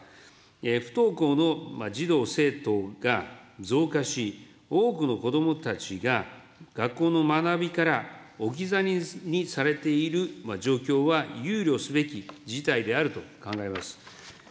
不登校の児童・生徒が増加し、多くの子どもたちが、学校の学びから置き去りにされている状況は憂慮すべき事態であると考えます。